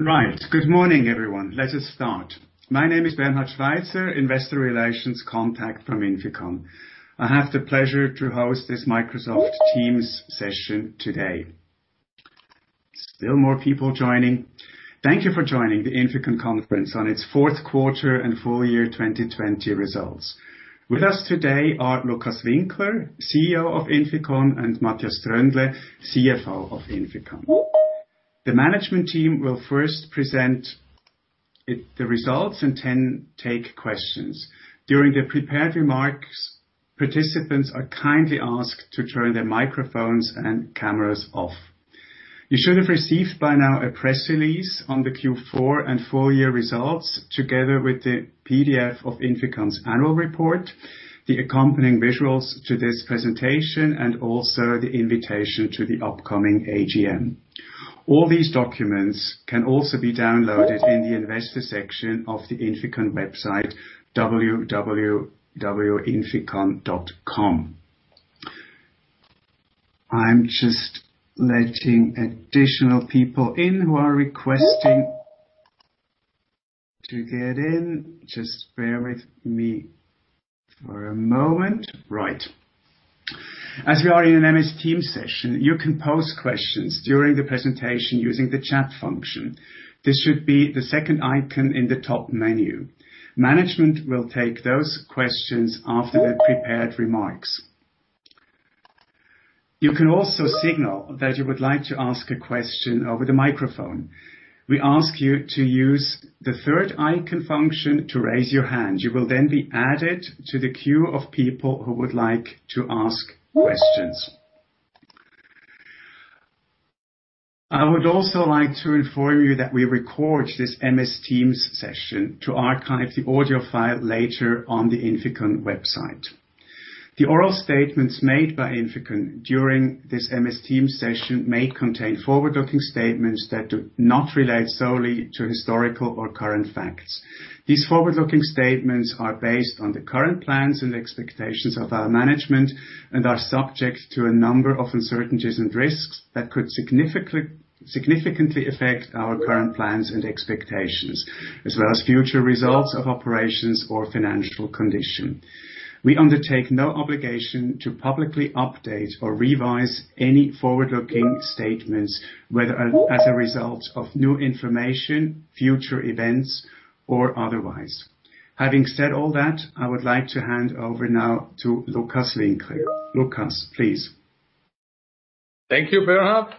Right. Good morning, everyone. Let us start. My name is Bernhard Schweizer, Investor Relations Contact from INFICON. I have the pleasure to host this Microsoft Teams session today. Still more people joining. Thank you for joining the INFICON conference on its fourth quarter and full year 2020 results. With us today are Lukas Winkler, CEO of INFICON, and Matthias Tröndle, CFO of INFICON. The management team will first present the results and then take questions. During the prepared remarks, participants are kindly asked to turn their microphones and cameras off. You should have received by now a press release on the Q4 and full year results, together with the PDF of INFICON's annual report, the accompanying visuals to this presentation, and also the invitation to the upcoming AGM. All these documents can also be downloaded in the investor section of the INFICON website, www.inficon.com. I'm just letting additional people in who are requesting to get in. Just bear with me for a moment. As we are in an Microsoft Teams session, you can pose questions during the presentation using the chat function. This should be the second icon in the top menu. Management will take those questions after their prepared remarks. You can also signal that you would like to ask a question over the microphone. We ask you to use the third icon function to raise your hand. You will then be added to the queue of people who would like to ask questions. I would also like to inform you that we record this Microsoft Teams session to archive the audio file later on the INFICON website. The oral statements made by INFICON during this Microsoft Teams session may contain forward-looking statements that do not relate solely to historical or current facts. These forward-looking statements are based on the current plans and expectations of our management and are subject to a number of uncertainties and risks that could significantly affect our current plans and expectations, as well as future results of operations or financial condition. We undertake no obligation to publicly update or revise any forward-looking statements, whether as a result of new information, future events, or otherwise. Having said all that, I would like to hand over now to Lukas Winkler. Lukas, please. Thank you, Bernhard.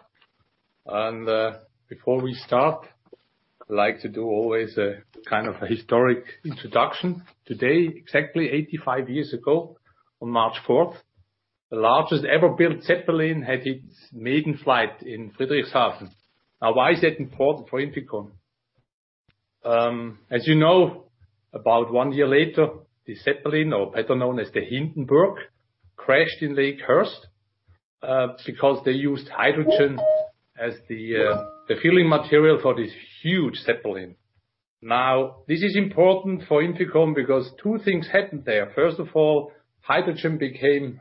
Before we start, I like to do always a kind of a historic introduction. Today, exactly 85 years ago, on March 4th, the largest ever built Zeppelin had its maiden flight in Friedrichshafen. Why is that important for INFICON? As you know, about one year later, the Zeppelin, or better known as the Hindenburg, crashed in Lakehurst, because they used hydrogen as the filling material for this huge Zeppelin. This is important for INFICON because two things happened there. First of all, hydrogen became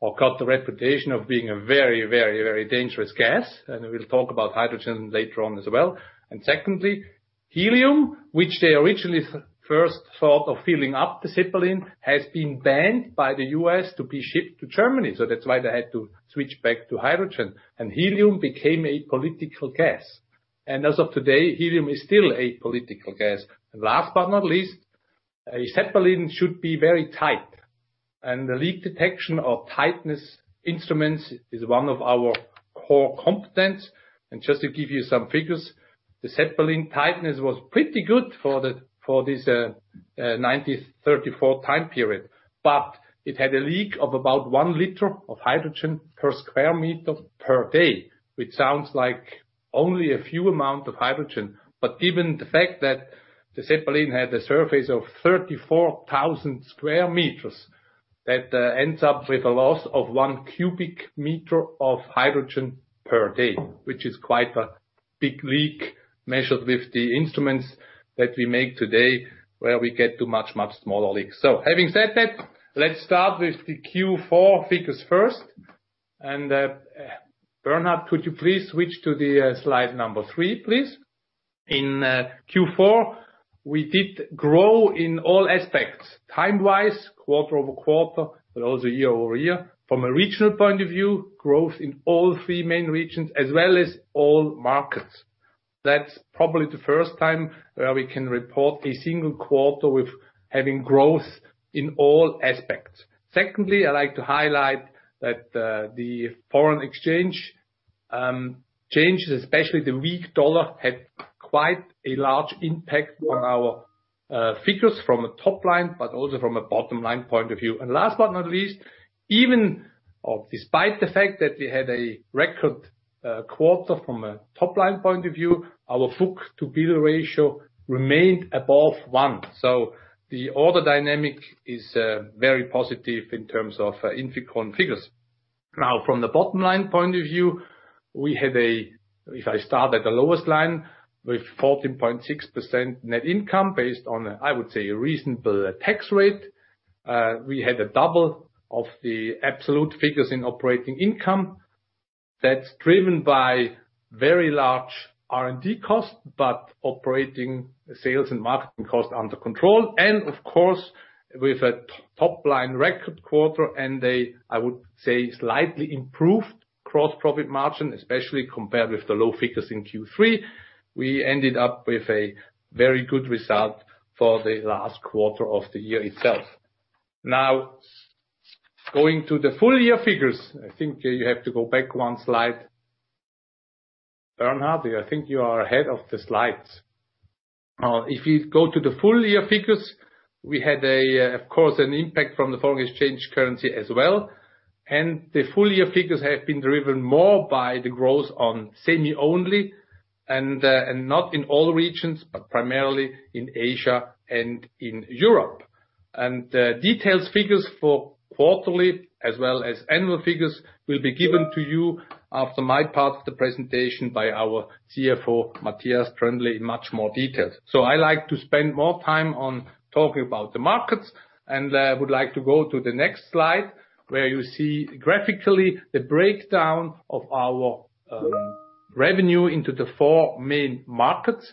or got the reputation of being a very dangerous gas, and we'll talk about hydrogen later on as well. Secondly, helium, which they originally first thought of filling up the Zeppelin, has been banned by the U.S. to be shipped to Germany, so that's why they had to switch back to hydrogen, and helium became a political gas. As of today, helium is still a political gas. Last but not least, a Zeppelin should be very tight, and the leak detection of tightness instruments is one of our core competence. Just to give you some figures, the Zeppelin tightness was pretty good for this 1934 time period. It had a leak of about one liter of hydrogen per square meter per day, which sounds like only a few amount of hydrogen. Given the fact that the Zeppelin had a surface of 34,000 sq m, that ends up with a loss of one cubic meter of hydrogen per day, which is quite a big leak measured with the instruments that we make today, where we get to much smaller leaks. Having said that, let's start with the Q4 figures first. Bernhard, could you please switch to the slide number three, please? In Q4, we did grow in all aspects. Time-wise, quarter-over-quarter, also year-over-year. From a regional point of view, growth in all three main regions as well as all markets. That's probably the first time where we can report a single quarter with having growth in all aspects. Secondly, I like to highlight that the foreign exchange changes, especially the weak dollar, had quite a large impact on our figures from a top-line, but also from a bottom-line point of view. Last but not least, even despite the fact that we had a record quarter from a top-line point of view, our book-to-bill ratio remained above one. The order dynamic is very positive in terms of INFICON figures. Now from the bottom line point of view, we had a, if I start at the lowest line, with 14.6% net income based on, I would say, a reasonable tax rate. We had double of the absolute figures in operating income. That's driven by very large R&D costs, but operating sales and marketing costs under control. Of course, with a top-line record quarter and a, I would say, slightly improved gross profit margin, especially compared with the low figures in Q3. We ended up with a very good result for the last quarter of the year itself. Now, going to the full year figures. I think you have to go back one slide. Bernhard, I think you are ahead of the slides. If you go to the full year figures, we had, of course, an impact from the foreign exchange currency as well. The full year figures have been driven more by the growth on semi-only, not in all regions, but primarily in Asia and in Europe. Detailed figures for quarterly as well as annual figures will be given to you after my part of the presentation by our CFO, Matthias Tröndle, in much more detail. I like to spend more time on talking about the markets, and I would like to go to the next slide, where you see graphically the breakdown of our revenue into the four main markets.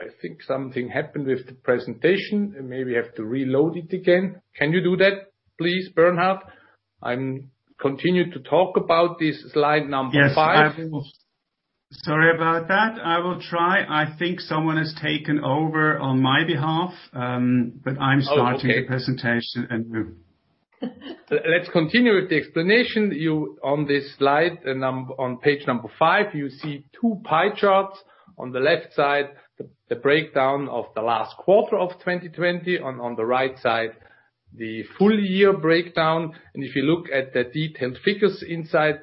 I think something happened with the presentation, and maybe we have to reload it again. Can you do that please, Bernhard? I'll continue to talk about this slide number five. Yes. Sorry about that. I will try. I think someone has taken over on my behalf, but I'm starting the presentation anew. Let's continue with the explanation. On this slide, on page number five, you see two pie charts. On the left side, the breakdown of the last quarter of 2020, and on the right side, the full year breakdown. If you look at the detailed figures inside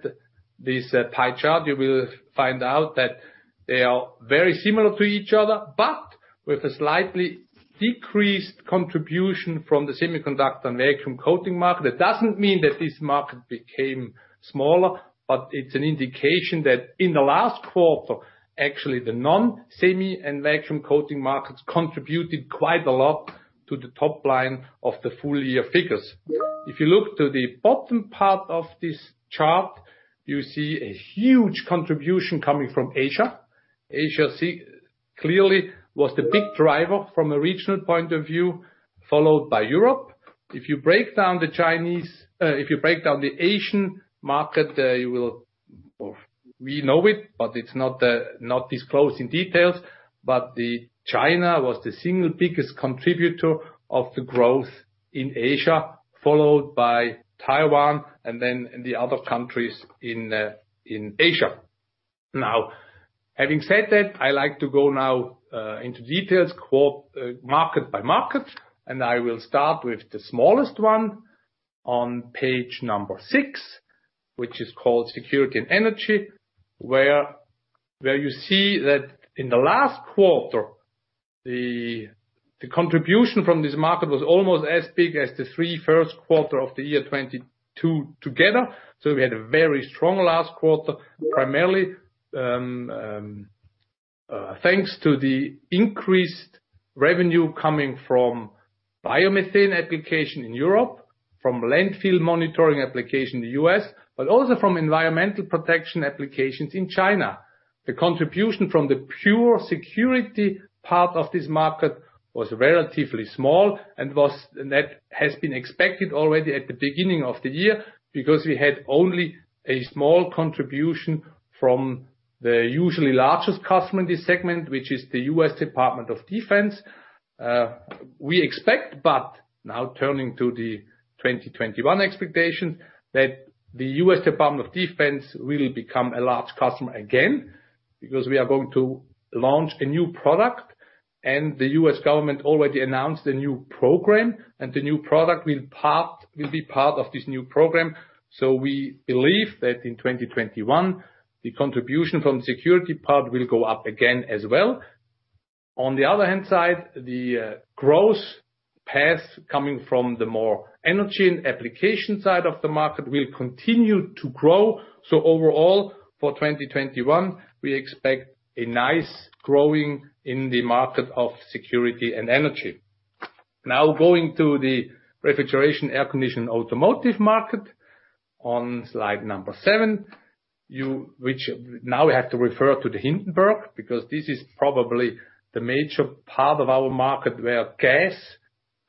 this pie chart, you will find out that they are very similar to each other, but with a slightly decreased contribution from the semiconductor and vacuum coating market. That doesn't mean that this market became smaller, but it's an indication that in the last quarter, actually, the non-semi and vacuum coating markets contributed quite a lot to the top line of the full year figures. If you look to the bottom part of this chart, you see a huge contribution coming from Asia. Asia clearly was the big driver from a regional point of view, followed by Europe. If you break down the Asian market, we know it, but it's not disclosed in details, but China was the single biggest contributor of the growth in Asia, followed by Taiwan, and then the other countries in Asia. Having said that, I like to go now into details market by market, and I will start with the smallest one on page number six, which is called security and energy, where you see that in the last quarter, the contribution from this market was almost as big as the three first quarter of the year 2020 together. We had a very strong last quarter, primarily thanks to the increased revenue coming from biomethane application in Europe, from landfill monitoring application in the U.S., but also from environmental protection applications in China. The contribution from the pure security part of this market was relatively small. That has been expected already at the beginning of the year, because we had only a small contribution from the usually largest customer in this segment, which is the U.S. Department of Defense. We expect, now turning to the 2021 expectations, that the U.S. Department of Defense will become a large customer again, because we are going to launch a new product, and the U.S. government already announced a new program, and the new product will be part of this new program. We believe that in 2021, the contribution from the security part will go up again as well. On the other hand side, the growth path coming from the more energy and application side of the market will continue to grow. Overall, for 2021, we expect a nice growing in the market of security and energy. Going to the refrigeration, air conditioning, and automotive market on slide number seven. We have to refer to the Hindenburg, because this is probably the major part of our market where gas,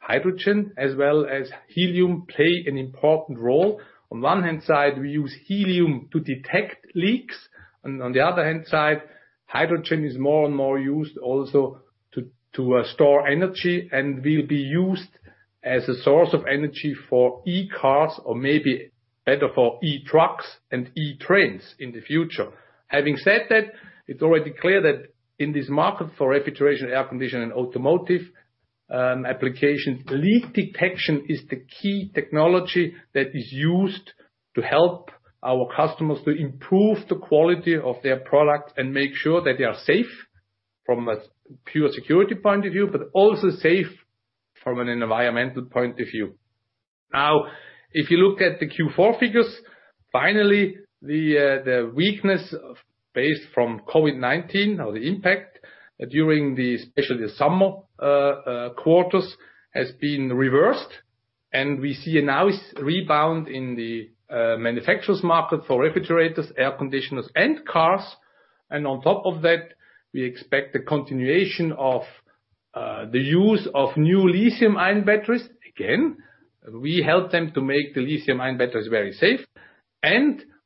hydrogen, as well as helium play an important role. On one hand side, we use helium to detect leaks. On the other hand side, hydrogen is more and more used also to store energy and will be used as a source of energy for e-cars or maybe better for e-trucks and e-trains in the future. Having said that, it's already clear that in this market for refrigeration, air condition, and automotive applications, leak detection is the key technology that is used to help our customers to improve the quality of their product and make sure that they are safe from a pure security point of view, but also safe from an environmental point of view. Now, if you look at the Q4 figures, finally, the weakness based from COVID-19, or the impact, during especially the summer quarters has been reversed, and we see a nice rebound in the manufacturer's market for refrigerators, air conditioners, and cars. On top of that, we expect the continuation of the use of new lithium-ion batteries. Again, we help them to make the lithium-ion batteries very safe.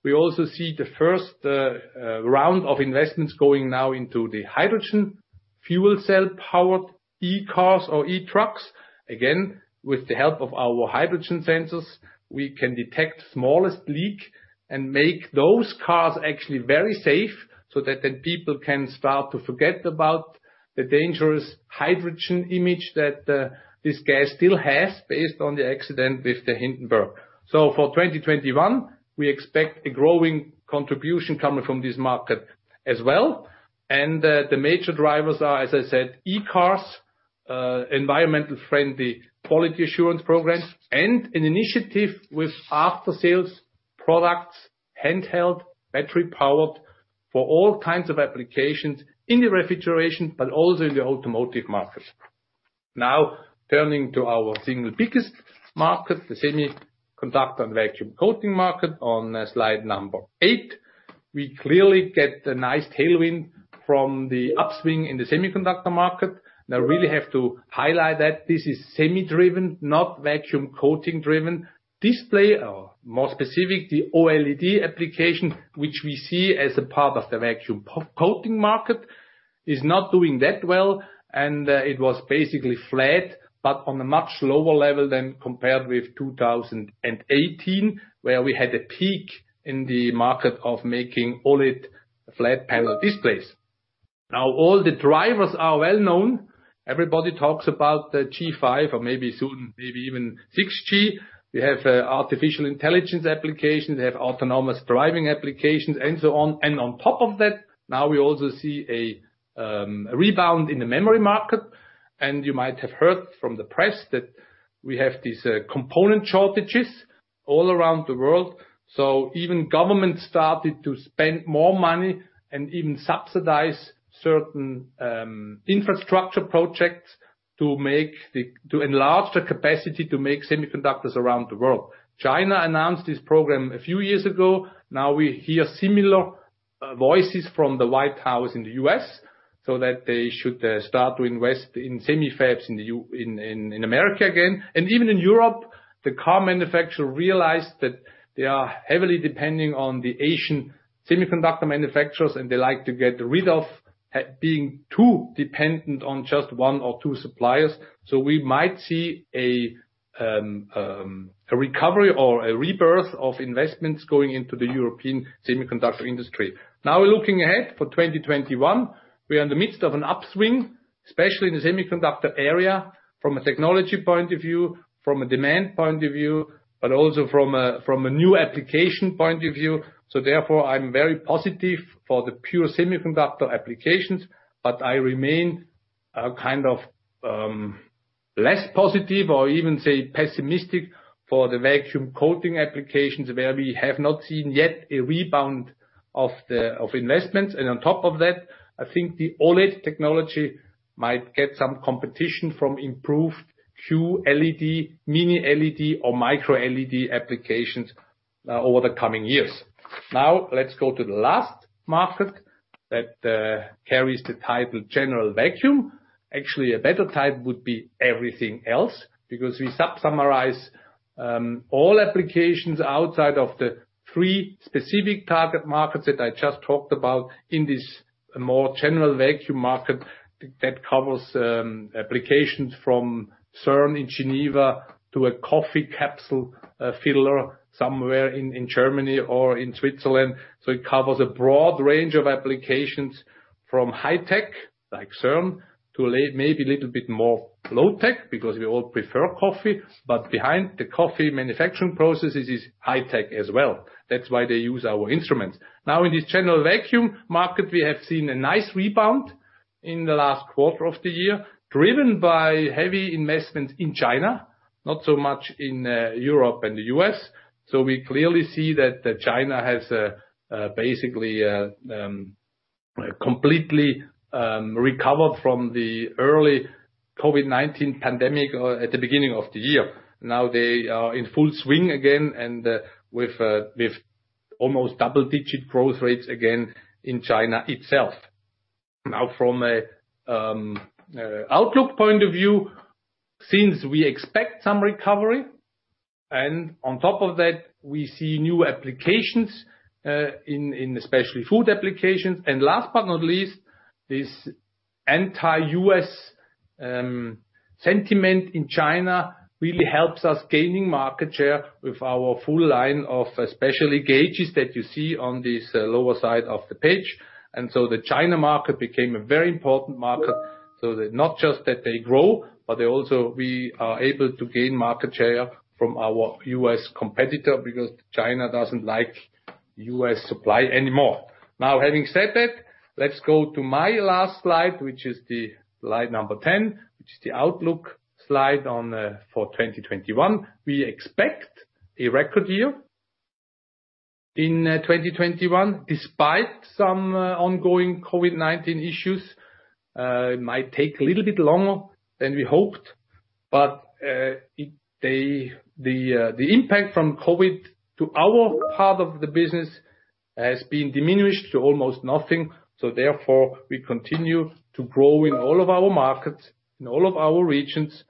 We also see the first round of investments going now into the hydrogen fuel cell powered e-cars or e-trucks. With the help of our hydrogen sensors, we can detect smallest leak and make those cars actually very safe so that people can start to forget about the dangerous hydrogen image that this gas still has based on the accident with the Hindenburg. For 2021, we expect a growing contribution coming from this market as well. The major drivers are, as I said, e-cars, environmental friendly quality assurance programs, and an initiative with after sales products, handheld, battery powered for all kinds of applications in the refrigeration, but also in the automotive market. Turning to our single biggest market, the semiconductor and vacuum coating market on slide number eight. We clearly get a nice tailwind from the upswing in the semiconductor market. Really have to highlight that this is semi driven, not vacuum coating driven. Display or more specific, the OLED application, which we see as a part of the vacuum coating market, is not doing that well. It was basically flat, but on a much lower level than compared with 2018, where we had a peak in the market of making OLED flat panel displays. All the drivers are well known. Everybody talks about the 5G or maybe soon maybe even 6G. We have artificial intelligence applications, we have autonomous driving applications and so on. On top of that, now we also see a rebound in the memory market. You might have heard from the press that we have these component shortages all around the world. Even government started to spend more money and even subsidize certain infrastructure projects to enlarge the capacity to make semiconductors around the world. China announced this program a few years ago. We hear similar voices from the White House in the U.S. that they should start to invest in semi-fabs in America again. Even in Europe, the car manufacturer realized that they are heavily depending on the Asian semiconductor manufacturers, and they like to get rid of being too dependent on just one or two suppliers. We might see a recovery or a rebirth of investments going into the European semiconductor industry. Looking ahead for 2021, we are in the midst of an upswing, especially in the semiconductor area from a technology point of view, from a demand point of view, but also from a new application point of view. Therefore, I'm very positive for the pure semiconductor applications, but I remain kind of less positive or even, say, pessimistic for the vacuum coating applications where we have not seen yet a rebound of investments. On top of that, I think the OLED technology might get some competition from improved QLED, Mini LED or Micro LED applications over the coming years. Let's go to the last market that carries the title General Vacuum. Actually, a better title would be everything else, because we sub summarize all applications outside of the three specific target markets that I just talked about in this more general vacuum market that covers applications from CERN in Geneva to a coffee capsule filler somewhere in Germany or in Switzerland. It covers a broad range of applications from high tech like CERN to maybe a little bit more low tech because we all prefer coffee. Behind the coffee manufacturing processes is high tech as well. That's why they use our instruments. In this general vacuum market, we have seen a nice rebound in the last quarter of the year, driven by heavy investment in China, not so much in Europe and the U.S. We clearly see that China has basically completely recovered from the early COVID-19 pandemic or at the beginning of the year. They are in full swing again and with almost double-digit growth rates again in China itself. From an outlook point of view, since we expect some recovery and on top of that, we see new applications, in especially food applications. Last but not least, this anti-U.S. sentiment in China really helps us gaining market share with our full line of especially gauges that you see on this lower side of the page. The China market became a very important market. Not just that they grow, but also we are able to gain market share from our U.S. competitor because China doesn't like U.S. supply anymore. Having said that, let's go to my last slide, which is slide 10, which is the outlook slide for 2021. We expect a record year in 2021 despite some ongoing COVID-19 issues. It might take a little bit longer than we hoped, but the impact from COVID to our part of the business has been diminished to almost nothing. Therefore, we continue to grow in all of our markets, in all of our regions.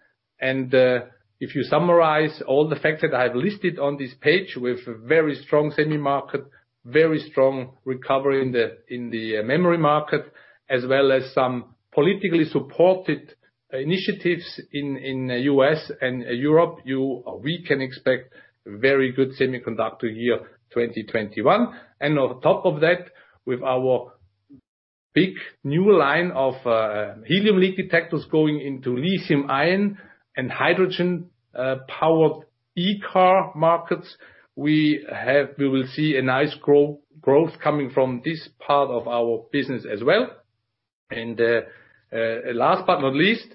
If you summarize all the facts that I have listed on this page, we have a very strong semi market, very strong recovery in the memory market, as well as some politically supported initiatives in U.S. and Europe. We can expect very good semiconductor year 2021. On top of that, with our big new line of helium leak detectors going into lithium ion and hydrogen-powered e-car markets, we will see a nice growth coming from this part of our business as well. Last but not least,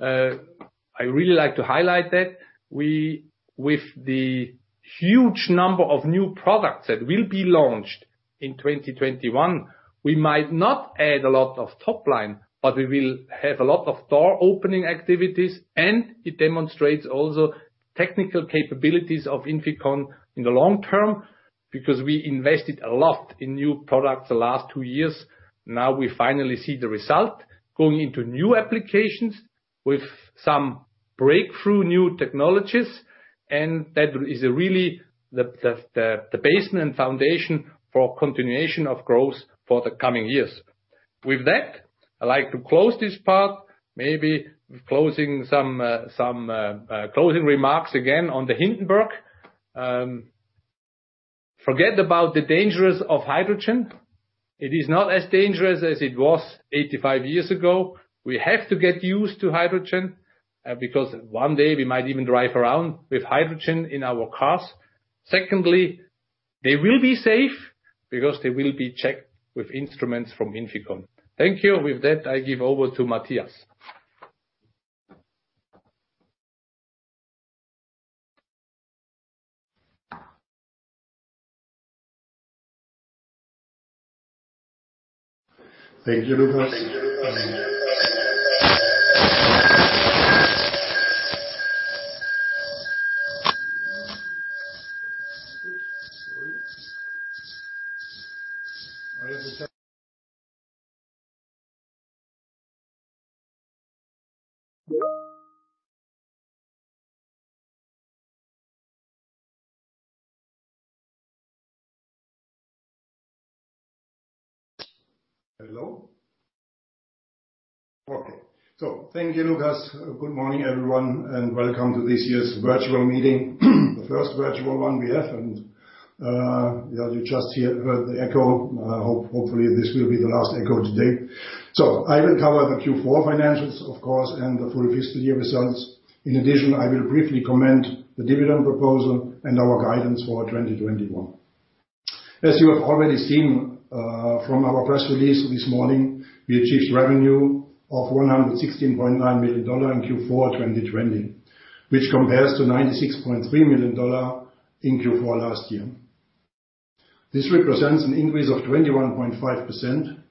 I really like to highlight that with the huge number of new products that will be launched in 2021, we might not add a lot of top line, but we will have a lot of door-opening activities. It demonstrates also technical capabilities of INFICON in the long term, because we invested a lot in new products the last two years. Now we finally see the result, going into new applications with some breakthrough new technologies, and that is really the basement foundation for continuation of growth for the coming years. With that, I'd like to close this part, maybe closing remarks again on the Hindenburg. Forget about the dangers of hydrogen. It is not as dangerous as it was 85 years ago. We have to get used to hydrogen, because one day we might even drive around with hydrogen in our cars. Secondly, they will be safe because they will be checked with instruments from INFICON. Thank you. With that, I give over to Matthias. Thank you, Lukas. Hello? Okay. Thank you, Lukas. Good morning, everyone, and welcome to this year's virtual meeting. The first virtual one we have, you just heard the echo. Hopefully, this will be the last echo today. I will cover the Q4 financials, of course, and the full fiscal year results. In addition, I will briefly comment the dividend proposal and our guidance for 2021. As you have already seen from our press release this morning, we achieved revenue of $116.9 million in Q4 2020, which compares to $96.3 million in Q4 last year. This represents an increase of 21.5%.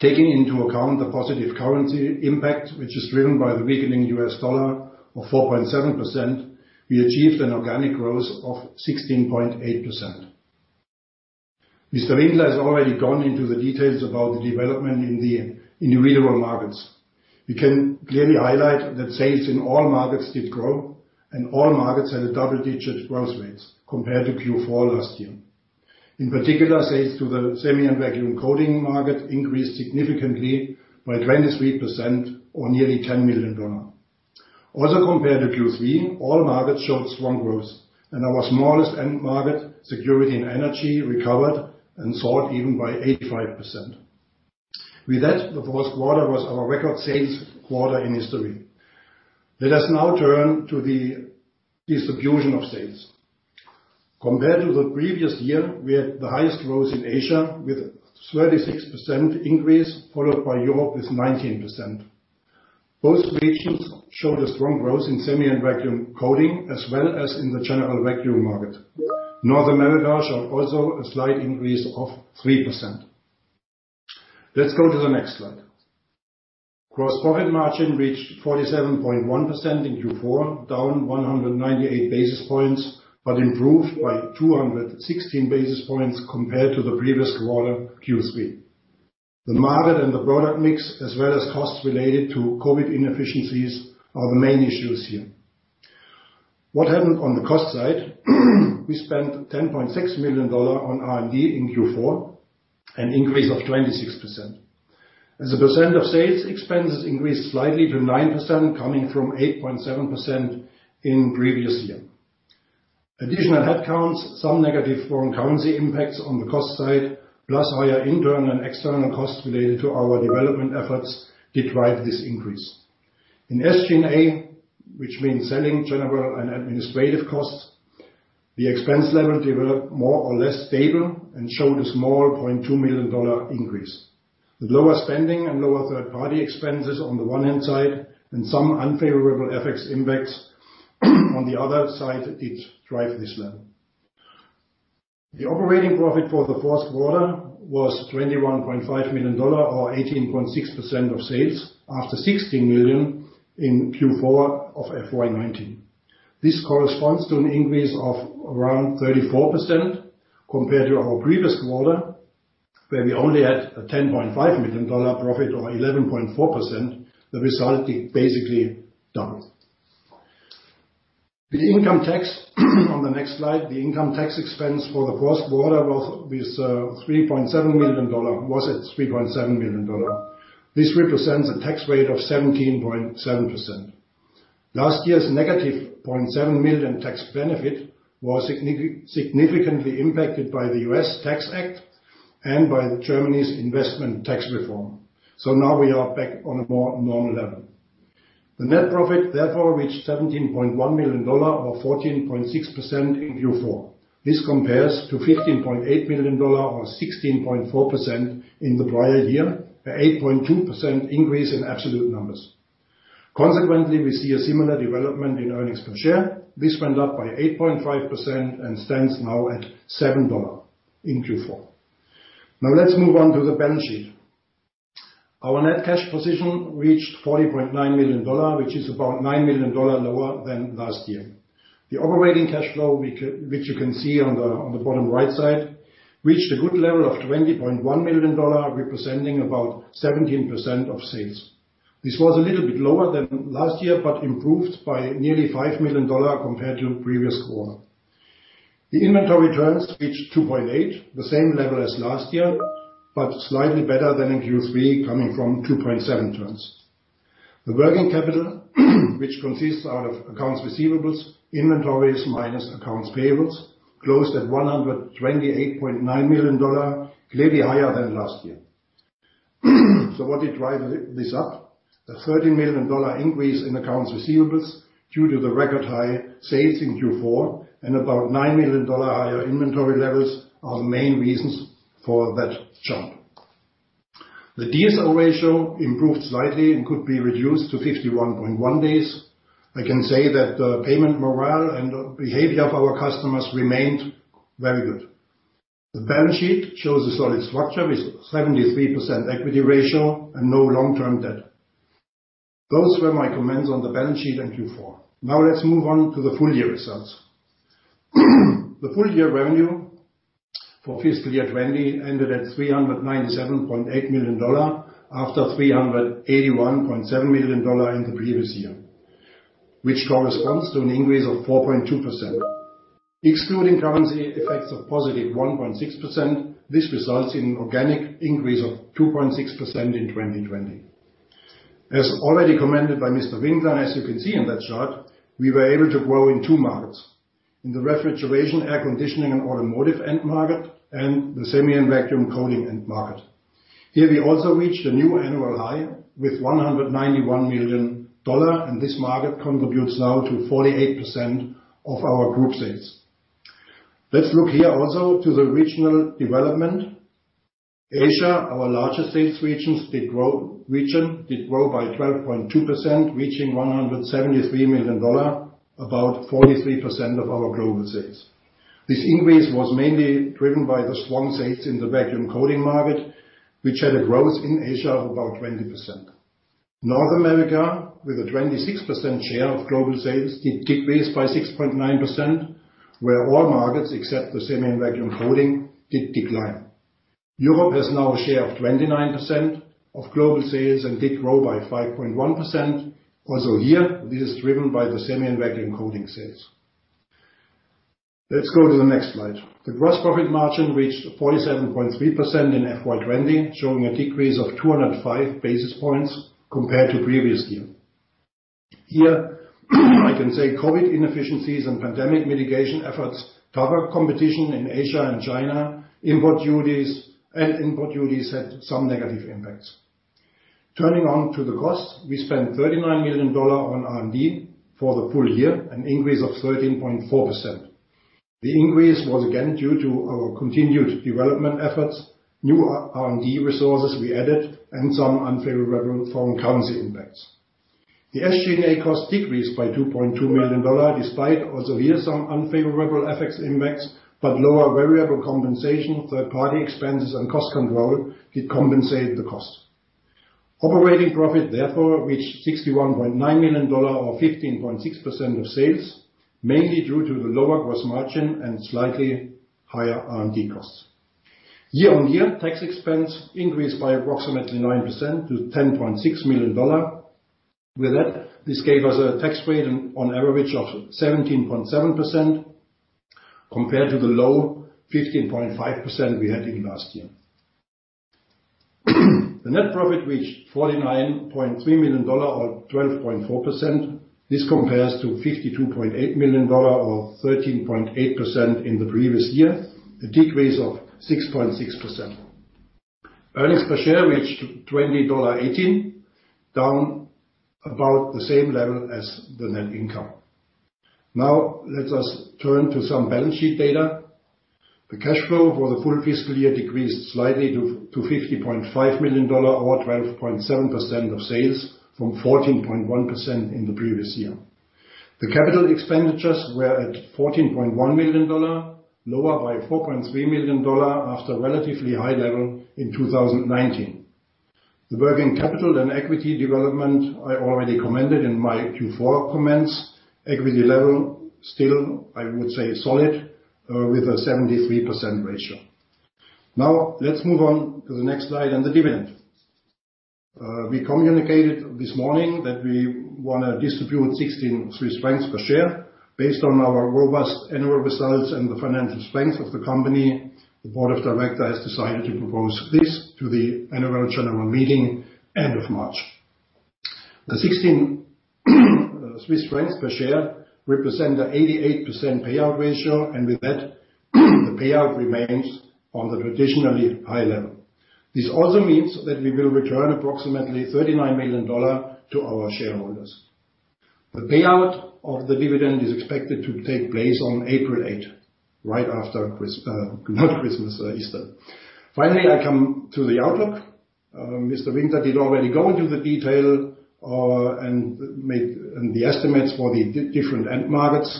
Taking into account the positive currency impact, which is driven by the weakening U.S. dollar of 4.7%, we achieved an organic growth of 16.8%. Mr. Winkler has already gone into the details about the development in the addressable markets. We can clearly highlight that sales in all markets did grow and all markets had a double-digit growth rates compared to Q4 last year. In particular, sales to the semi- and vacuum coating market increased significantly by 23% or nearly $10 million. Also compared to Q3, all markets showed strong growth, and our smallest end market, security and energy, recovered and sold even by 85%. With that, the first quarter was our record sales quarter in history. Let us now turn to the distribution of sales. Compared to the previous year, we had the highest growth in Asia with 36% increase, followed by Europe with 19%. Both regions showed a strong growth in semi- and vacuum coating, as well as in the general vacuum market. North America showed also a slight increase of 3%. Let's go to the next slide. Gross profit margin reached 47.1% in Q4, down 198 basis points, but improved by 216 basis points compared to the previous quarter, Q3. The market and the product mix, as well as costs related to COVID inefficiencies, are the main issues here. What happened on the cost side? We spent $10.6 million on R&D in Q4, an increase of 26%. As a percent of sales, expenses increased slightly to 9%, coming from 8.7% in previous year. Additional headcounts, some negative foreign currency impacts on the cost side, plus higher internal and external costs related to our development efforts did drive this increase. In SG&A, which means selling, general, and administrative costs, the expense level developed more or less stable and showed a small $0.2 million increase. With lower spending and lower third-party expenses on the one hand side, and some unfavorable FX impacts on the other side, did drive this level. The operating profit for the fourth quarter was $21.5 million, or 18.6% of sales, after $16 million in Q4 of FY 2019. This corresponds to an increase of around 34% compared to our previous quarter, where we only had a $10.5 million profit or 11.4%, the result is basically double. The income tax on the next slide. The income tax expense for the first quarter was at $3.7 million. This represents a tax rate of 17.7%. Last year's negative $0.7 million tax benefit was significantly impacted by the U.S. Tax Act and by Germany's investment tax reform. Now we are back on a more normal level. The net profit, therefore, reached $17.1 million, or 14.6% in Q4. This compares to $15.8 million or 16.4% in the prior year, an 8.2% increase in absolute numbers. Consequently, we see a similar development in earnings per share. This went up by 8.5% and stands now at $7 in Q4. Let's move on to the balance sheet. Our net cash position reached $40.9 million, which is about $9 million lower than last year. The operating cash flow, which you can see on the bottom right side, reached a good level of $20.1 million, representing about 17% of sales. This was a little bit lower than last year, but improved by nearly $5 million compared to the previous quarter. The inventory turns reached 2.8x, the same level as last year, but slightly better than in Q3, coming from 2.7x. The working capital, which consists out of accounts receivables, inventories minus accounts payables, closed at $128.9 million, clearly higher than last year. What did drive this up? A $13 million increase in accounts receivables due to the record high sales in Q4 and about $9 million higher inventory levels are the main reasons for that jump. The DSO ratio improved slightly and could be reduced to 51.1 days. I can say that the payment morale and behavior of our customers remained very good. The balance sheet shows a solid structure with 73% equity ratio and no long-term debt. Those were my comments on the balance sheet in Q4. Let's move on to the full year results. The full year revenue for fiscal year 2020 ended at $397.8 million, after $381.7 million in the previous year, which corresponds to an increase of 4.2%. Excluding currency effects of positive 1.6%, this results in an organic increase of 2.6% in 2020. As already commented by Mr. Winkler, and as you can see on that chart, we were able to grow in two markets, in the refrigeration, air conditioning, and automotive end market, and the semi and vacuum coating end market. Here we also reached a new annual high with $191 million. This market contributes now to 48% of our group sales. Let's look here also to the regional development. Asia, our largest sales region, did grow by 12.2%, reaching $173 million, about 43% of our global sales. This increase was mainly driven by the strong sales in the vacuum coating market, which had a growth in Asia of about 20%. North America, with a 26% share of global sales, did decrease by 6.9%, where all markets, except the semi and vacuum coating, did decline. Europe has now a share of 29% of global sales and did grow by 5.1%. This is driven by the semi and vacuum coating sales. Let's go to the next slide. The gross profit margin reached 47.3% in FY 2020, showing a decrease of 205 basis points compared to previous year. I can say COVID inefficiencies and pandemic mitigation efforts, tougher competition in Asia and China, and import duties had some negative impacts. Turning on to the cost, we spent $39 million on R&D for the full year, an increase of 13.4%. The increase was again due to our continued development efforts, new R&D resources we added, and some unfavorable foreign currency impacts. The SG&A costs decreased by $2.2 million despite also here some unfavorable FX impacts, but lower variable compensation, third party expenses and cost control did compensate the cost. Operating profit, therefore, reached $61.9 million or 15.6% of sales, mainly due to the lower gross margin and slightly higher R&D costs. Year-over-year, tax expense increased by approximately 9% to $10.6 million. This gave us a tax rate on average of 17.7% compared to the low 15.5% we had in last year. The net profit reached $49.3 million or 12.4%. This compares to $52.8 million or 13.8% in the previous year, a decrease of 6.6%. Earnings per share reached $20.18, down about the same level as the net income. Let us turn to some balance sheet data. The cash flow for the full fiscal year decreased slightly to $50.5 million, or 12.7% of sales, from 14.1% in the previous year. The CapEx were at $14.1 million, lower by $4.3 million after a relatively high level in 2019. The working capital and equity development, I already commented in my Q4 comments. Equity level still, I would say, solid, with a 73% ratio. Now let's move on to the next slide and the dividend. We communicated this morning that we want to distribute 16 Swiss francs per share based on our robust annual results and the financial strength of the company. The Board of Directors decided to propose this to the Annual General Meeting end of March. The 16 Swiss francs per share represent an 88% payout ratio, and with that, the payout remains on the traditionally high level. This also means that we will return approximately CHF 39 million to our shareholders. The payout of the dividend is expected to take place on April 8, right after Easter. Finally, I come to the outlook. Mr. Winkler did already go into the detail and the estimates for the different end markets.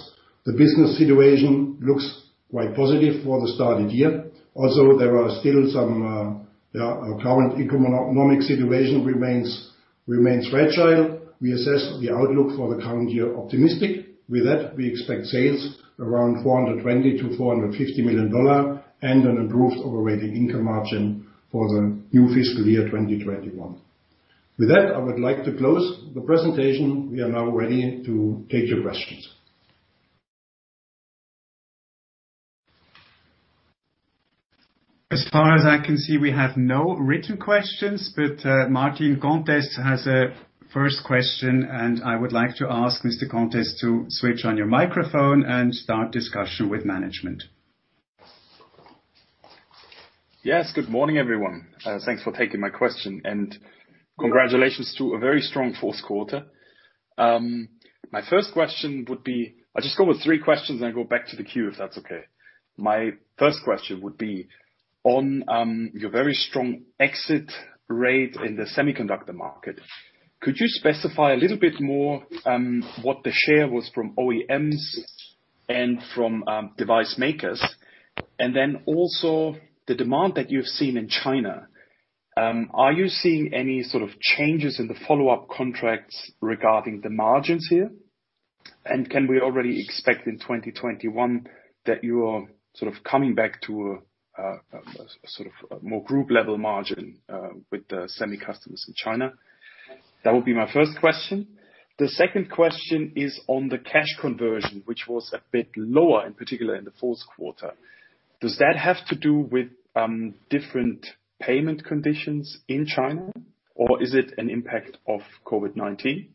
The business situation looks quite positive for the start of the year. Our current economic situation remains fragile. We assess the outlook for the current year optimistic. With that, we expect sales around CHF 420 million-CHF 450 million and an improved operating income margin for the new fiscal year 2021. With that, I would like to close the presentation. We are now ready to take your questions. As far as I can see, we have no written questions, but Martin Comtesse has a first question, and I would like to ask Mr. Comtesse to switch on your microphone and start discussion with management. Yes. Good morning, everyone. Thanks for taking my question, and congratulations to a very strong fourth quarter. I'll just go with three questions, and then go back to the queue, if that's okay. My first question would be on your very strong exit rate in the semiconductor market. Could you specify a little bit more, what the share was from OEMs and from device makers? Also, the demand that you've seen in China, are you seeing any sort of changes in the follow-up contracts regarding the margins here? Can we already expect in 2021 that you are coming back to a more group level margin with the semi customers in China? That would be my first question. The second question is on the cash conversion, which was a bit lower, in particular in the fourth quarter. Does that have to do with different payment conditions in China, or is it an impact of COVID-19?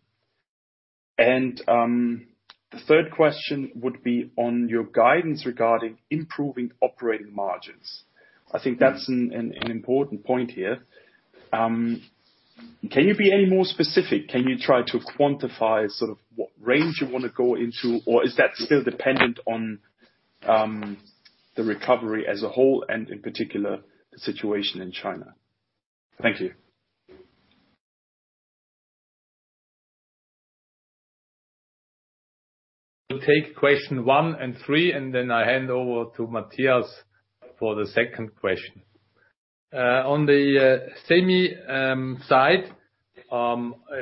The third question would be on your guidance regarding improving operating margins. I think that's an important point here. Can you be any more specific? Can you try to quantify what range you want to go into, or is that still dependent on the recovery as a whole and in particular, the situation in China? Thank you. I will take question one and three, and then I hand over to Matthias for the second question. On the semi side,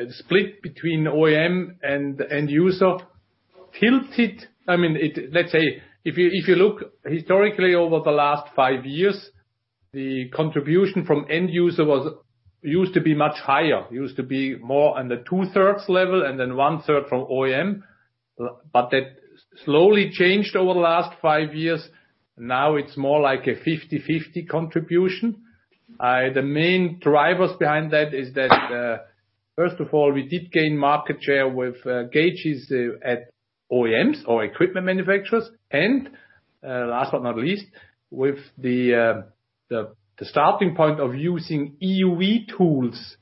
split between OEM and end user tilted. Let's say if you look historically over the last 5 years, the contribution from end user used to be much higher. Used to be more on the 2/3 level and then one-third from OEM. That slowly changed over the last five years. Now it's more like a 50/50 contribution. The main drivers behind that is that, first of all, we did gain market share with gauges at OEMs or equipment manufacturers. Last but not least, with the starting point of using EUV tools.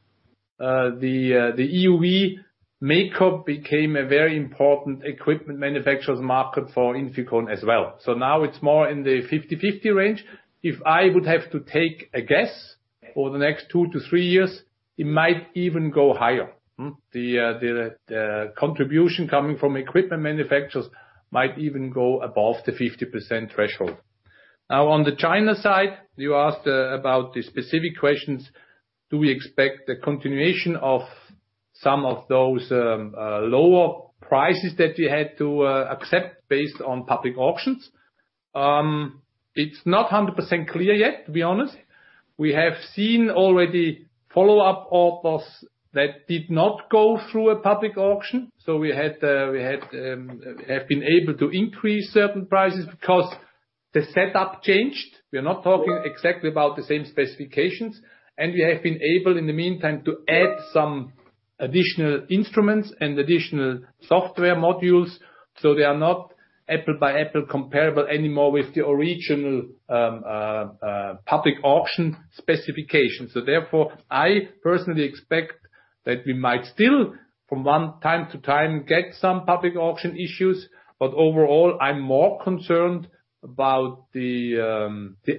The EUV maker became a very important equipment manufacturer's market for INFICON as well. Now it's more in the 50/50 range. If I would have to take a guess, for the next two to three years, it might even go higher. The contribution coming from equipment manufacturers might even go above the 50% threshold. Now, on the China side, you asked about the specific questions. Do we expect the continuation of some of those lower prices that we had to accept based on public auctions? It is not 100% clear yet, to be honest. We have seen already follow-up offers that did not go through a public auction. We have been able to increase certain prices because the setup changed. We are not talking exactly about the same specifications, and we have been able, in the meantime, to add some Additional instruments and additional software modules. They are not apple by apple comparable anymore with the original public auction specifications. Therefore, I personally expect that we might still, from time to time, get some public auction issues. Overall, I'm more concerned about the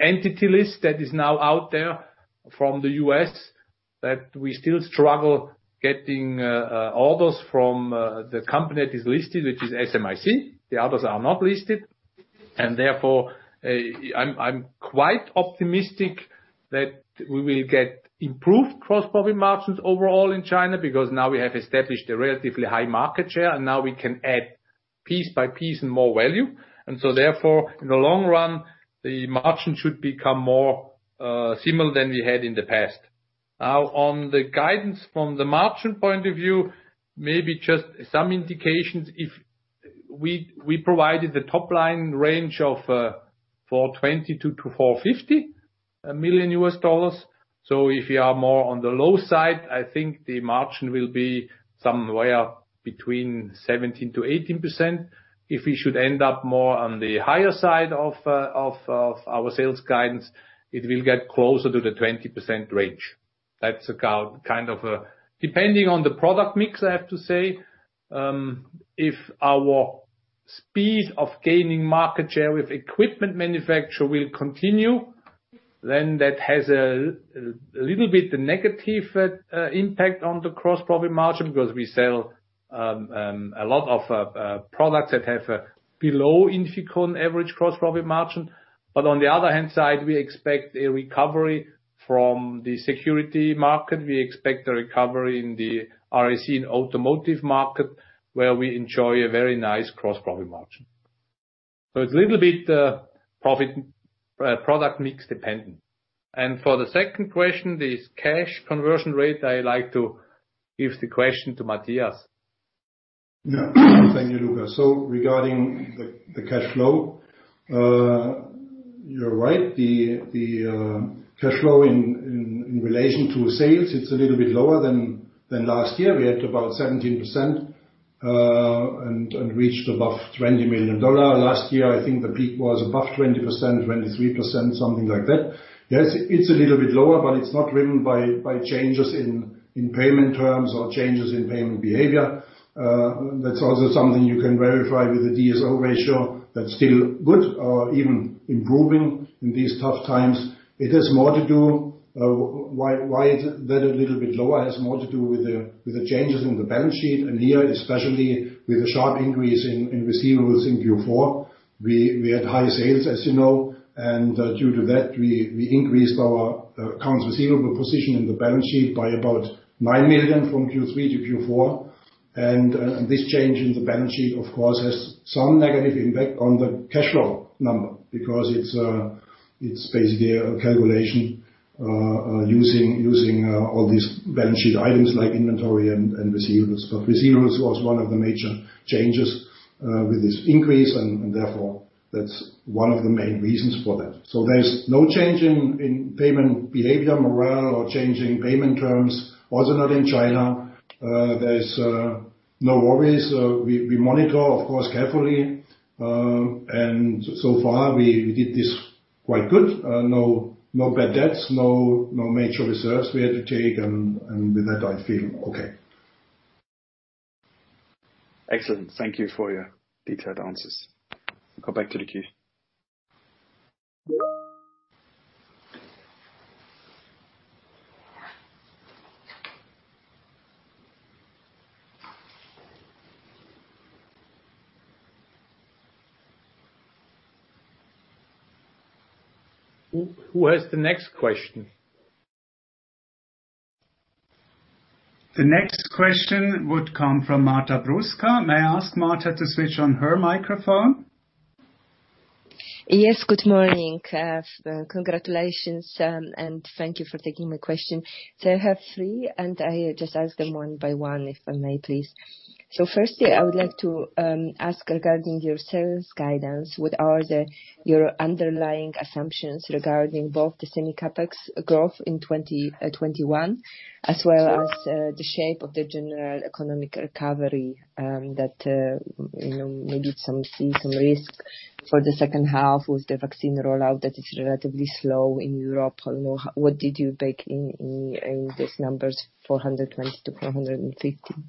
Entity List that is now out there from the U.S., that we still struggle getting orders from the company that is listed, which is SMIC. The others are not listed. Therefore, I'm quite optimistic that we will get improved gross profit margins overall in China, because now we have established a relatively high market share, and now we can add piece by piece and more value. Therefore, in the long run, the margin should become more similar than we had in the past. Now, on the guidance from the margin point of view, maybe just some indications. We provided the top-line range of CHF 420 million-CHF 450 million. If you are more on the low side, I think the margin will be somewhere between 17%-18%. If we should end up more on the higher side of our sales guidance, it will get closer to the 20% range. That's depending on the product mix, I have to say. If our speed of gaining market share with equipment manufacturer will continue, then that has a little bit negative impact on the gross profit margin because we sell a lot of products that have below INFICON average gross profit margin. On the other hand side, we expect a recovery from the security market. We expect a recovery in the RAC and automotive market, where we enjoy a very nice gross profit margin. It's a little bit product mix dependent. For the second question, this cash conversion rate, I like to give the question to Matthias. Thank you, Lukas. Regarding the cash flow. You're right, the cash flow in relation to sales, it's a little bit lower than last year. We had about 17%, and reached above $20 million. Last year, I think the peak was above 20%, 23%, something like that. Yes, it's a little bit lower, but it's not driven by changes in payment terms or changes in payment behavior. That's also something you can verify with the DSO ratio. That's still good or even improving in these tough times. Why it's a little bit lower has more to do with the changes in the balance sheet, and here, especially with the sharp increase in receivables in Q4. We had high sales, as you know, and due to that, we increased our accounts receivable position in the balance sheet by about $9 million from Q3 to Q4. This change in the balance sheet, of course, has some negative impact on the cash flow number because it's basically a calculation using all these balance sheet items like inventory and receivables. Receivables was one of the major changes with this increase and therefore that's one of the main reasons for that. There's no change in payment behavior, morale, or change in payment terms. Also not in China. There's no worries. We monitor, of course, carefully. So far we did this quite good. No bad debts, no major reserves we had to take, and with that I feel okay. Excellent. Thank you for your detailed answers. Go back to the queue. Who has the next question? The next question would come from Marta Bruska. May I ask Marta to switch on her microphone? Yes, good morning. Congratulations and thank you for taking my question. I have three, and I just ask them one by one, if I may please. Firstly, I would like to ask regarding your sales guidance, what are your underlying assumptions regarding both the semi CapEx growth in 2021, as well as the shape of the general economic recovery that maybe some see some risk for the second half with the vaccine rollout that is relatively slow in Europe. What did you bake in these numbers, 420 million-450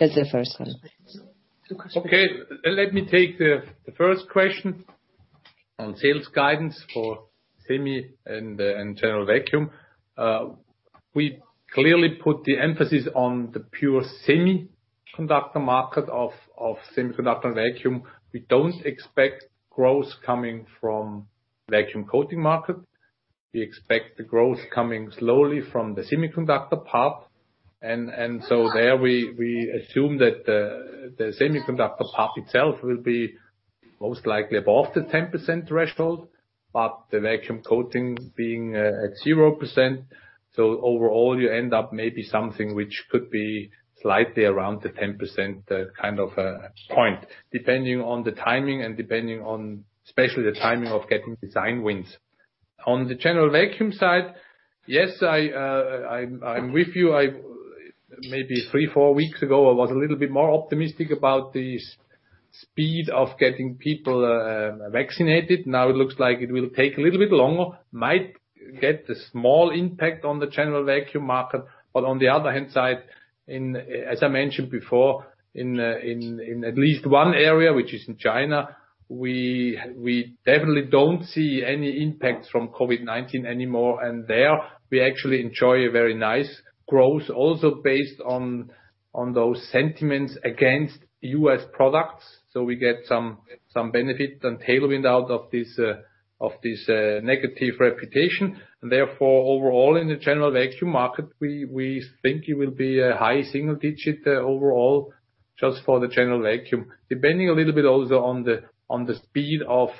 million? That's the first one. Okay. Let me take the first question on sales guidance for semi and general vacuum. We clearly put the emphasis on the pure semiconductor market of semiconductor vacuum. We don't expect growth coming from vacuum coating market. We expect the growth coming slowly from the semiconductor part. There we assume that the semiconductor part itself will be most likely above the 10% threshold, but the vacuum coating being at 0%. Overall, you end up maybe something which could be slightly around the 10% kind of a point, depending on the timing and depending on especially the timing of getting design wins. On the general vacuum side, yes, I'm with you. Maybe three, four weeks ago, I was a little bit more optimistic about the speed of getting people vaccinated. Now it looks like it will take a little bit longer, might get a small impact on the general vacuum market. On the other hand side, as I mentioned before, in at least one area, which is in China, we definitely don't see any impact from COVID-19 anymore. There we actually enjoy a very nice growth, also based on those sentiments against U.S. products. We get some benefit and tailwind out of this negative reputation. Therefore, overall in the general vacuum market, we think it will be a high single-digit overall just for the general vacuum. Depending a little bit also on the speed of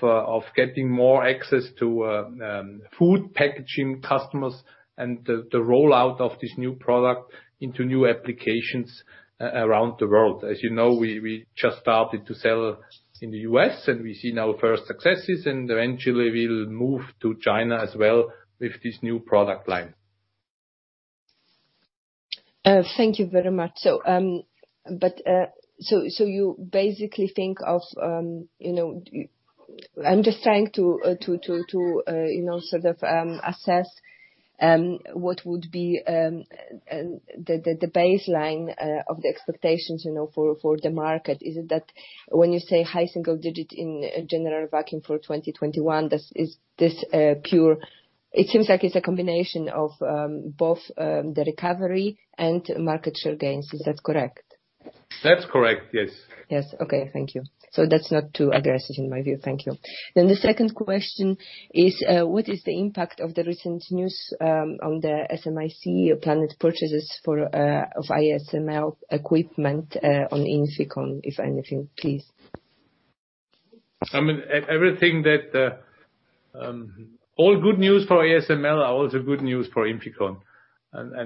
getting more access to food packaging customers and the rollout of this new product into new applications around the world. As you know, we just started to sell in the U.S., and we've seen our first successes, and eventually we'll move to China as well with this new product line. Thank you very much. I'm just trying to sort of assess what would be the baseline of the expectations for the market. Is it that when you say high single digit in general vacuum for 2021, it seems like it's a combination of both the recovery and market share gains. Is that correct? That's correct, yes. Yes. Okay. Thank you. That's not too aggressive in my view. Thank you. The second question is, what is the impact of the recent news on the SMIC planned purchases of ASML equipment on INFICON, if anything, please? All good news for ASML are also good news for INFICON.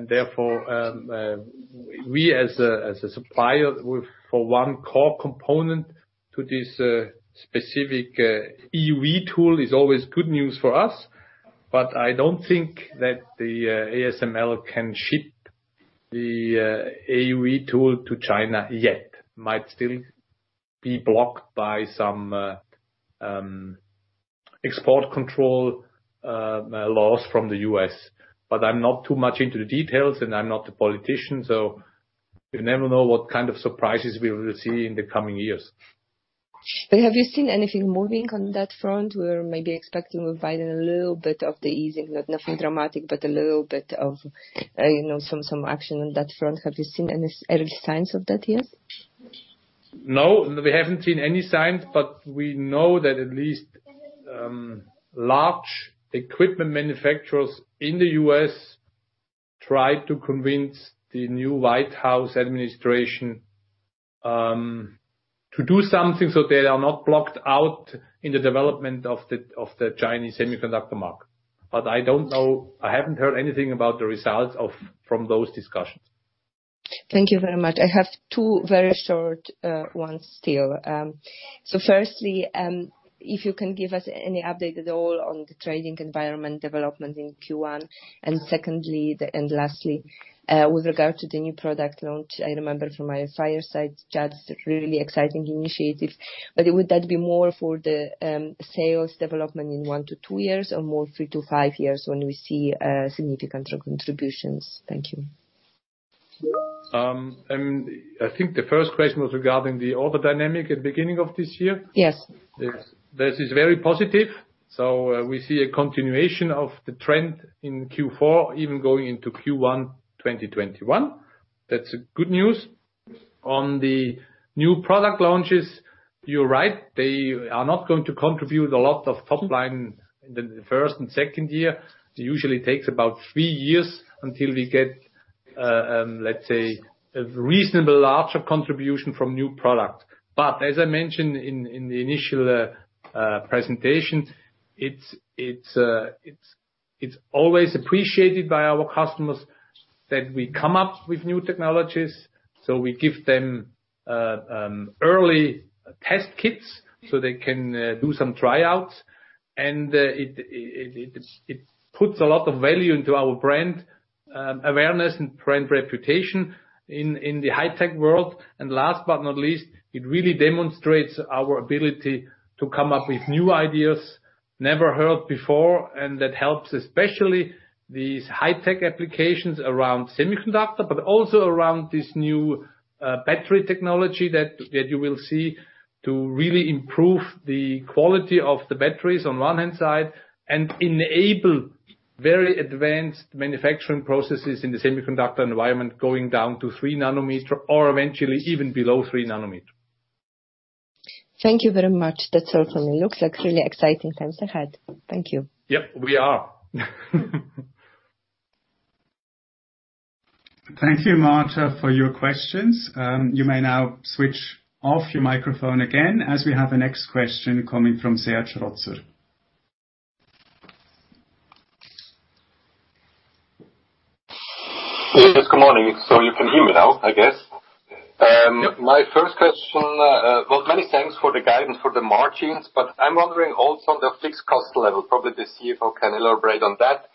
Therefore, we as a supplier for one core component to this specific EUV tool is always good news for us, I don't think that the ASML can ship the EUV tool to China yet. Might still be blocked by some export control laws from the U.S. I'm not too much into the details, and I'm not a politician, so you never know what kind of surprises we will see in the coming years. Have you seen anything moving on that front? We're maybe expecting Biden a little bit of the easing. Nothing dramatic, but a little bit of some action on that front. Have you seen any early signs of that yet? No, we haven't seen any signs. We know that at least large equipment manufacturers in the U.S. tried to convince the new White House administration to do something so they are not blocked out in the development of the Chinese semiconductor market. I don't know. I haven't heard anything about the results from those discussions. Thank you very much. I have two very short ones still. Firstly, if you can give us any update at all on the trading environment development in Q1. Secondly, and lastly, with regard to the new product launch, I remember from my fireside chat, it's a really exciting initiative. Would that be more for the sales development in one to two years or more three to five years when we see significant contributions? Thank you. I think the first question was regarding the order dynamic at the beginning of this year. Yes. This is very positive. We see a continuation of the trend in Q4, even going into Q1 2021. That's good news. On the new product launches, you're right. They are not going to contribute a lot of top line in the first and second year. It usually takes about three years until we get, let's say, a reasonable larger contribution from new product. As I mentioned in the initial presentation, it's always appreciated by our customers that we come up with new technologies. We give them early test kits so they can do some tryouts. It puts a lot of value into our brand awareness and brand reputation in the high tech world. Last but not least, it really demonstrates our ability to come up with new ideas never heard before. That helps, especially these high-tech applications around semiconductor, but also around this new battery technology that you will see to really improve the quality of the batteries on one hand side and enable very advanced manufacturing processes in the semiconductor environment, going down to three nanometer or eventually even below three nanometer. Thank you very much. That's all from me. Looks like really exciting times ahead. Thank you. Yep, we are. Thank you, Marta, for your questions. You may now switch off your microphone again as we have the next question coming from Serge Rotzer. Yes, good morning. You can hear me now, I guess? My first question. Well, many thanks for the guidance for the margins, I'm wondering also on the fixed cost level, probably the CFO can elaborate on that.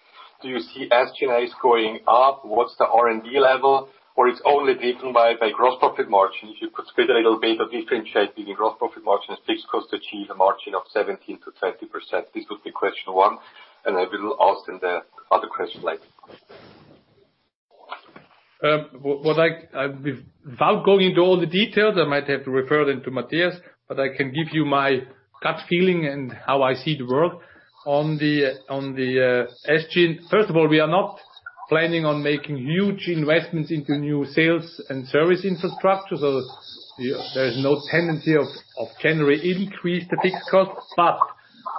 Do you see SG&A is going up? What's the R&D level? Is it only driven by gross profit margins? You could split a little bit or differentiate between gross profit margin and fixed cost to achieve a margin of 17%-20%. This would be question one, I will ask then the other question later. Without going into all the details, I might have to refer them to Matthias, but I can give you my gut feeling and how I see the world. There is no tendency of generally increase the fixed costs.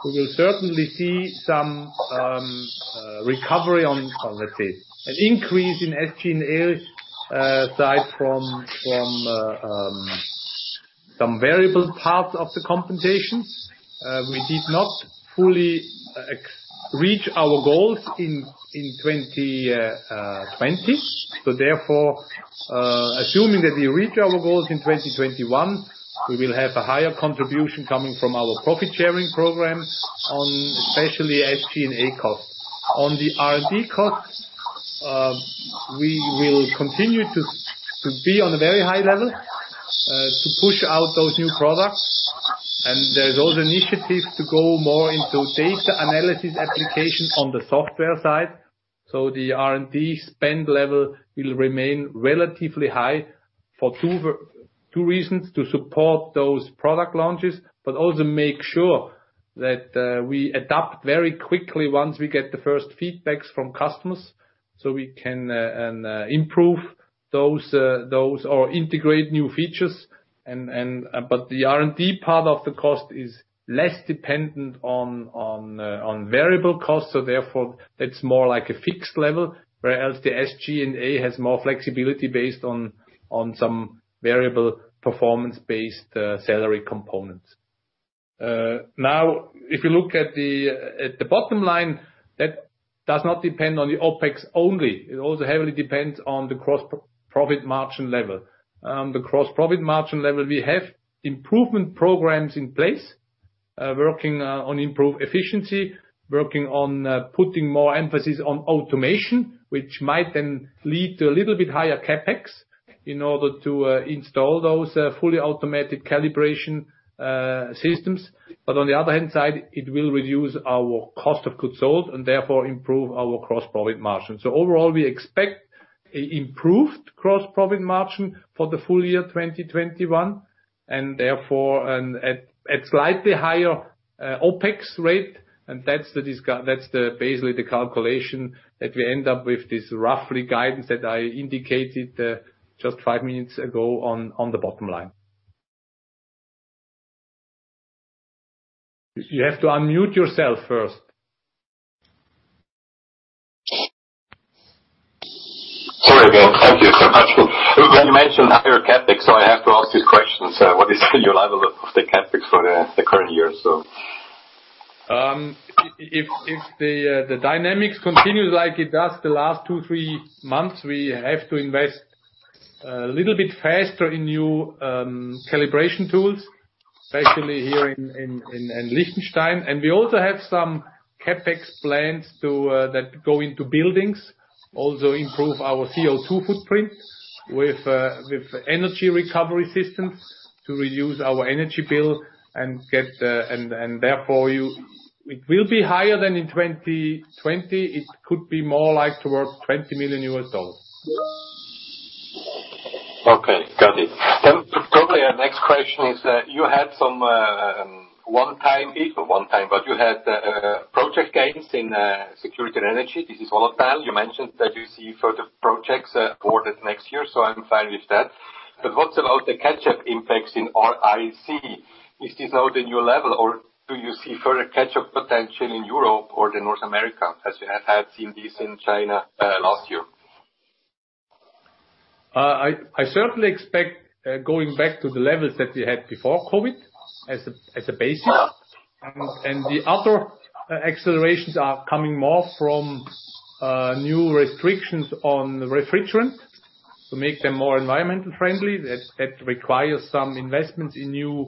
We will certainly see some recovery on, let's say, an increase in SG&A aside from some variable parts of the compensation. We did not fully reach our goals in 2020. Therefore, assuming that we reach our goals in 2021, we will have a higher contribution coming from our profit-sharing program on especially SG&A cost. On the R&D cost, we will continue to be on a very high level to push out those new products. There's also initiatives to go more into data analysis application on the software side. The R&D spend level will remain relatively high for two reasons, to support those product launches, but also make sure that we adapt very quickly once we get the first feedbacks from customers so we can improve those or integrate new features. The R&D part of the cost is less dependent on variable costs, therefore, that's more like a fixed level. The SG&A has more flexibility based on some variable performance-based salary components. If you look at the bottom line, that does not depend on the OpEx only. It also heavily depends on the gross profit margin level. The gross profit margin level, we have improvement programs in place, working on improved efficiency, working on putting more emphasis on automation, which might then lead to a little bit higher CapEx in order to install those fully automatic calibration systems. On the other hand side, it will reduce our cost of goods sold and therefore improve our gross profit margin. Overall, we expect improved gross profit margin for the full year 2021 and therefore at slightly higher OpEx rate. That's basically the calculation that we end up with this roughly guidance that I indicated just five minutes ago on the bottom line. You have to unmute yourself first. Sorry again. Thank you so much. You mentioned higher CapEx, I have to ask this question. What is your level of the CapEx for the current year? If the dynamics continues like it does the last two, three months, we have to invest a little bit faster in new calibration tools, especially here in Liechtenstein. We also have some CapEx plans that go into buildings, also improve our CO2 footprint with energy recovery systems to reduce our energy bill. Therefore, it will be higher than in 2020. It could be more like towards CHF 20 million. Okay, got it. Probably next question is, you had some project gains in security and energy. This is volatile. You mentioned that you see further projects awarded next year, I'm fine with that. What about the catch-up impacts in [RAC]? Is this now the new level, or do you see further catch-up potential in Europe or the North America, as you have seen this in China last year? I certainly expect going back to the levels that we had before COVID as a basis. The other accelerations are coming more from new restrictions on refrigerant to make them more environmentally friendly. That requires some investment in new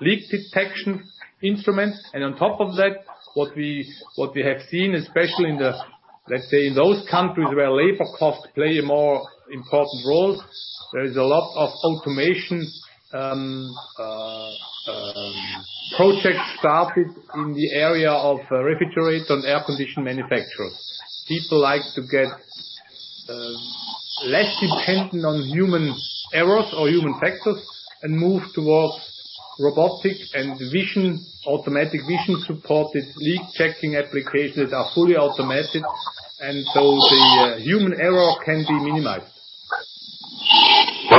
leak detection instruments. On top of that, what we have seen, especially in those countries where labor costs play a more important role, there is a lot of automation projects started in the area of refrigerator and air conditioning manufacturers. People like to get less dependent on human errors or human factors and move towards robotic and automatic vision-supported leak-checking applications that are fully automatic, and so the human error can be minimized.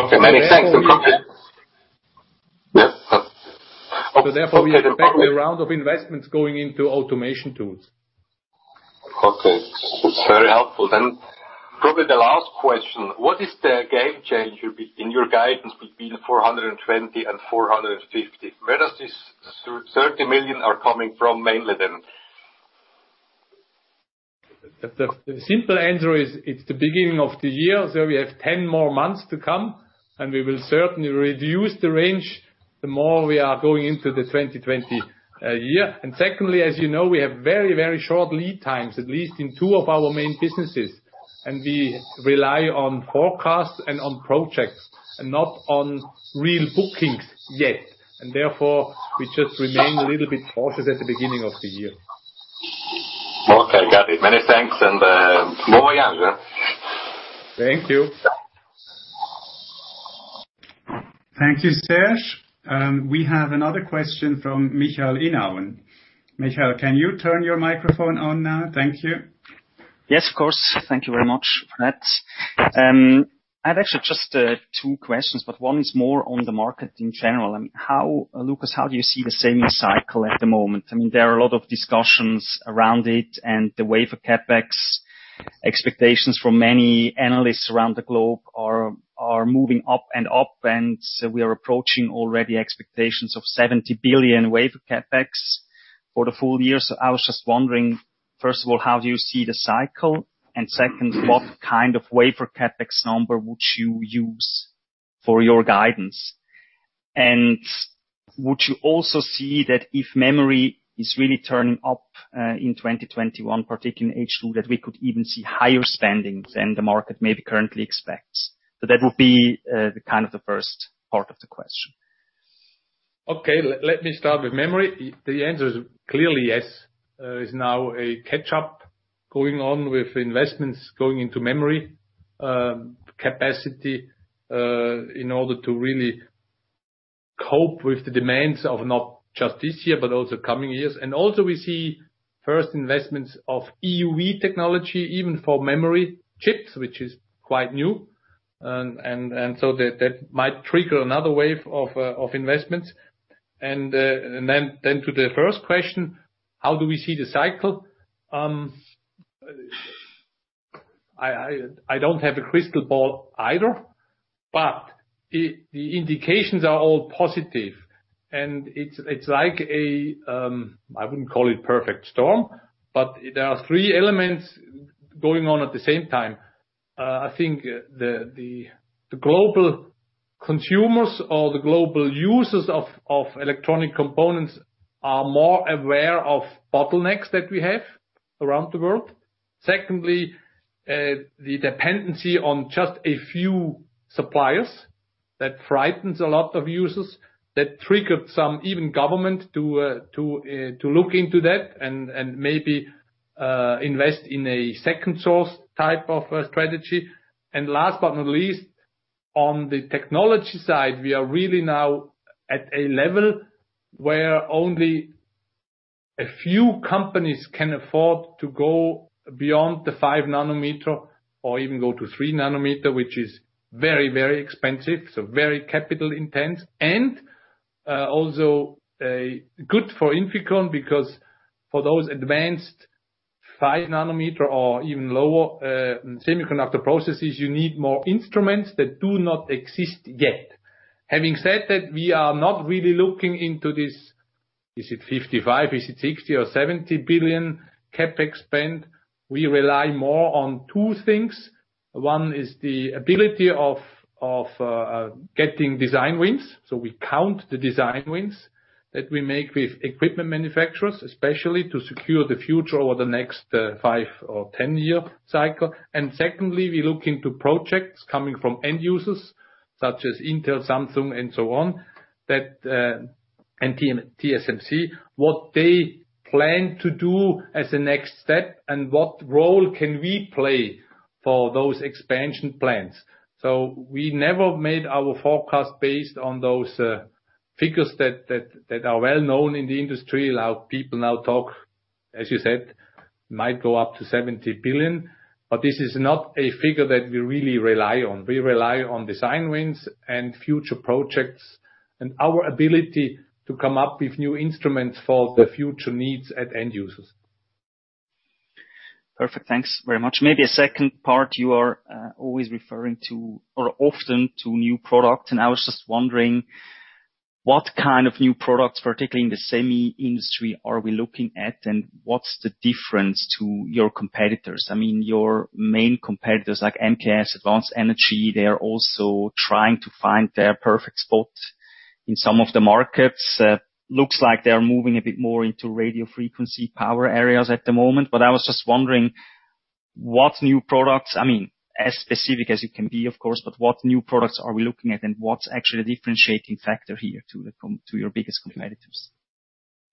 Okay, many thanks. Therefore, we expect a round of investments going into automation tools. Okay. It's very helpful. Probably the last question. What is the game changer in your guidance between the 420 million and 450 million? Where does this 30 million are coming from mainly, then? The simple answer is it's the beginning of the year, so we have 10 more months to come, and we will certainly reduce the range the more we are going into the 2020 year. Secondly, as you know, we have very short lead times, at least in two of our main businesses. We rely on forecasts and on projects, and not on real bookings yet. Therefore, we just remain a little bit cautious at the beginning of the year. Okay, got it. Many thanks, and bon voyage. Thank you. Thank you, Serge. We have another question from Michael Inauen. Michael, can you turn your microphone on now? Thank you. Yes, of course. Thank you very much, Bernhard. I have actually just two questions, but one is more on the market in general. Lukas, how do you see the semi cycle at the moment? There are a lot of discussions around it and the wafer CapEx. Expectations from many analysts around the globe are moving up and up, and we are approaching already expectations of $70 billion wafer CapEx for the full year. I was just wondering, first of all, how do you see the cycle? Second, what kind of wafer CapEx number would you use for your guidance? Would you also see that if memory is really turning up, in 2021, particularly in H2, that we could even see higher spendings than the market maybe currently expects? That would be the first part of the question. Okay. Let me start with memory. The answer is clearly yes. There is now a catch-up going on with investments going into memory capacity in order to really cope with the demands of not just this year, but also coming years. We see first investments of EUV technology even for memory chips, which is quite new. That might trigger another wave of investments. To the first question, how do we see the cycle? I don't have a crystal ball either, but the indications are all positive, and it's like a, I wouldn't call it perfect storm, but there are three elements going on at the same time. I think the global consumers or the global users of electronic components are more aware of bottlenecks that we have around the world. Secondly, the dependency on just a few suppliers. That frightens a lot of users. That triggered some, even government, to look into that and maybe invest in a second source type of a strategy. Last but not least, on the technology side, we are really now at a level where only a few companies can afford to go beyond the 5 nm or even go to 3 nm, which is very expensive, very capital-intense. Also good for INFICON because for those advanced 5 nm or even lower semiconductor processes, you need more instruments that do not exist yet. Having said that, we are not really looking into this, is it $55 billion, is it $60 billion or $70 billion CapEx spend? We rely more on two things. One is the ability of getting design wins. We count the design wins that we make with equipment manufacturers, especially to secure the future over the next five or 10-year cycle. Secondly, we look into projects coming from end users, such as Intel, Samsung, and so on, and TSMC, what they plan to do as a next step and what role can we play for those expansion plans. We never made our forecast based on those figures that are well-known in the industry. A lot of people now talk, as you said, might go up to $70 billion. This is not a figure that we really rely on. We rely on design wins and future projects, and our ability to come up with new instruments for the future needs at end users. Perfect. Thanks very much. Maybe a second part you are always referring to, or often, to new product. I was just wondering what kind of new products, particularly in the semi industry, are we looking at, and what's the difference to your competitors? Your main competitors like MKS, Advanced Energy, they are also trying to find their perfect spot in some of the markets. Looks like they are moving a bit more into radio frequency power areas at the moment. I was just wondering, what new products, as specific as it can be, of course, but what new products are we looking at and what's actually the differentiating factor here to your biggest competitors?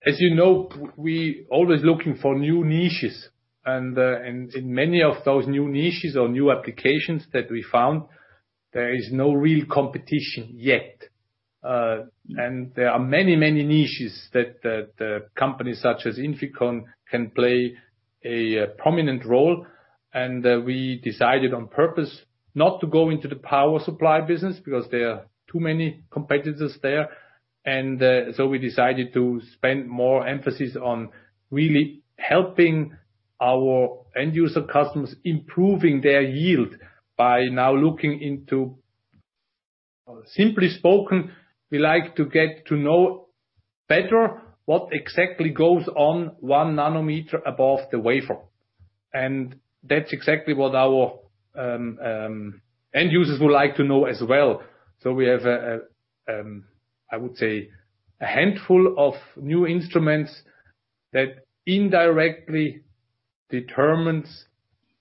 As you know, we always looking for new niches. In many of those new niches or new applications that we found, there is no real competition yet. There are many niches that companies such as INFICON can play a prominent role. We decided on purpose not to go into the power supply business because there are too many competitors there. We decided to spend more emphasis on really helping our end user customers improving their yield by now looking into. Simply spoken, we like to get to know better what exactly goes on 1 nm above the wafer. That's exactly what our end users would like to know as well. We have, I would say, a handful of new instruments that indirectly determines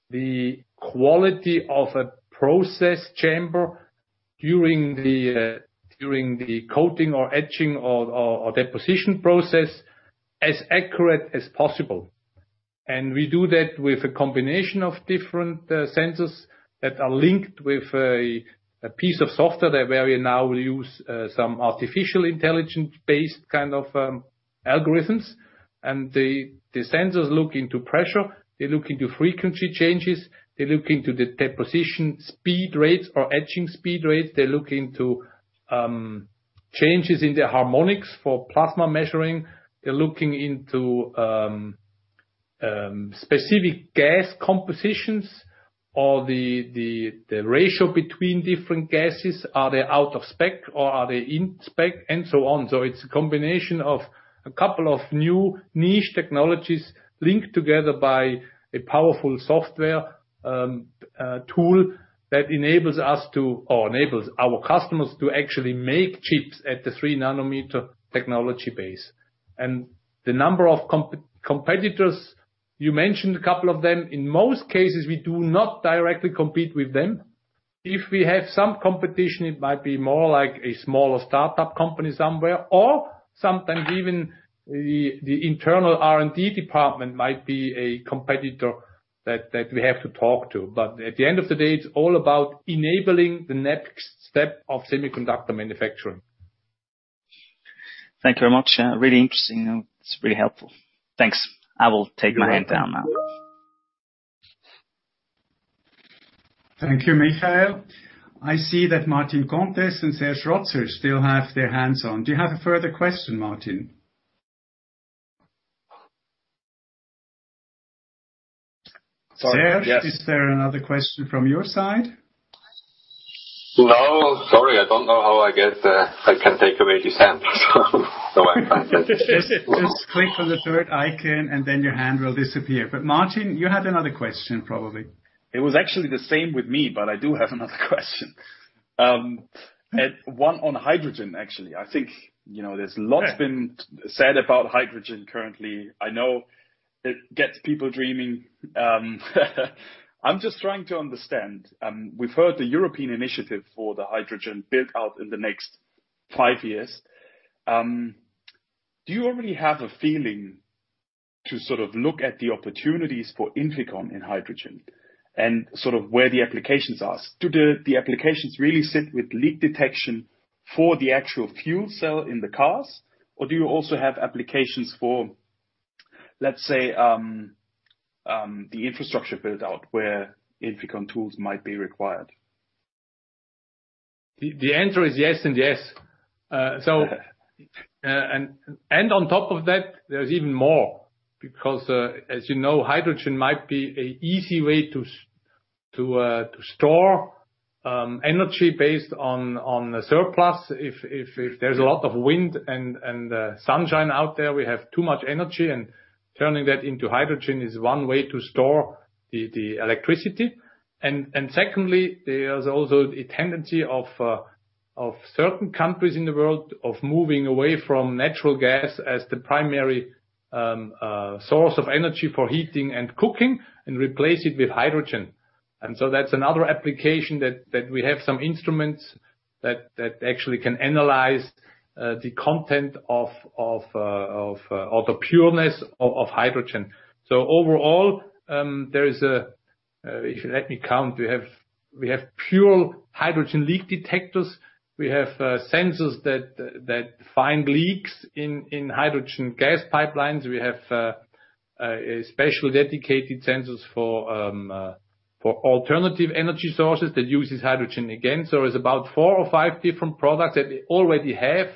the quality of a process chamber during the coating or etching or deposition process as accurate as possible. We do that with a combination of different sensors that are linked with a piece of software where we now use some artificial intelligence-based kind of algorithms. The sensors look into pressure, they look into frequency changes, they look into the deposition speed rates or etching speed rates. They look into changes in the harmonics for plasma measuring. They are looking into specific gas compositions or the ratio between different gases, are they out of spec or are they in spec, and so on. It is a combination of a couple of new niche technologies linked together by a powerful software tool that enables us to, or enables our customers to actually make chips at the 3 nm technology base. The number of competitors, you mentioned a couple of them. In most cases, we do not directly compete with them. If we have some competition, it might be more like a smaller startup company somewhere, or sometimes even the internal R&D department might be a competitor that we have to talk to. At the end of the day, it's all about enabling the next step of semiconductor manufacturing. Thank you very much. Really interesting. It is really helpful. Thanks. I will take my hand down now. Thank you, Michael. I see that Martin Comtesse and Serge Rotzer still have their hands on. Do you have a further question, Martin? Sorry. Yes. Serge, is there another question from your side? No. Sorry, I don't know how I can take away this hand, so I can't. Just click on the third icon, and then your hand will disappear. Martin, you had another question probably. It was actually the same with me, but I do have another question. One on hydrogen, actually. I think there's lots been said about hydrogen currently. I know it gets people dreaming. I'm just trying to understand. We've heard the European initiative for the hydrogen build-out in the next five years. Do you already have a feeling to sort of look at the opportunities for INFICON in hydrogen and sort of where the applications are? Do the applications really sit with leak detection for the actual fuel cell in the cars, or do you also have applications for, let's say, the infrastructure build-out where INFICON tools might be required? The answer is yes and yes. Okay. On top of that, there's even more, because as you know, hydrogen might be an easy way to store energy based on the surplus. If there's a lot of wind and sunshine out there, we have too much energy, and turning that into hydrogen is one way to store the electricity. Secondly, there's also a tendency of certain countries in the world of moving away from natural gas as the primary source of energy for heating and cooking and replace it with hydrogen. That's another application that we have some instruments that actually can analyze the content of the pureness of hydrogen. Overall, if you let me count, we have pure hydrogen leak detectors. We have sensors that find leaks in hydrogen gas pipelines. We have special dedicated sensors for alternative energy sources that uses hydrogen again. It's about four or five different products that we already have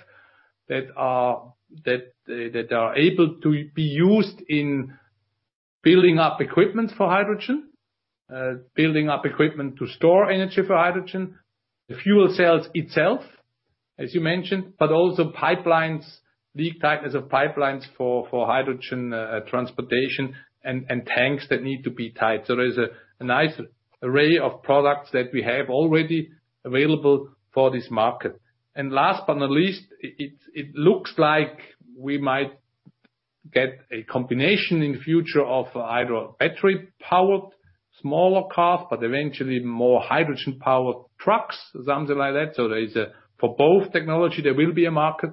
that are able to be used in building up equipment for hydrogen, building up equipment to store energy for hydrogen, the fuel cells itself, as you mentioned, but also pipelines, leak tight as of pipelines for hydrogen transportation and tanks that need to be tight. There is a nice array of products that we have already available for this market. Last but not least, it looks like we might get a combination in the future of either battery-powered smaller cars, but eventually more hydrogen-powered trucks, something like that. There is, for both technology, there will be a market,